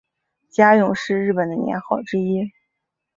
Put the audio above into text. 嘉永是日本的年号之一。